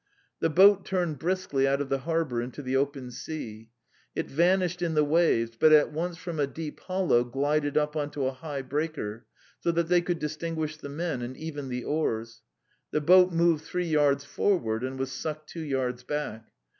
The boat turned briskly out of the harbour into the open sea. It vanished in the waves, but at once from a deep hollow glided up onto a high breaker, so that they could distinguish the men and even the oars. The boat moved three yards forward and was sucked two yards back.